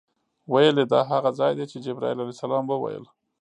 ویل یې دا هغه ځای دی چې جبرائیل علیه السلام وویل.